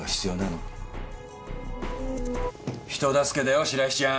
人助けだよ白石ちゃん。